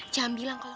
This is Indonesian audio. jangan bilang kalau